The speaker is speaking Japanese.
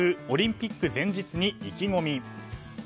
オリンピック前日に意気込み。